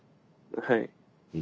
はい。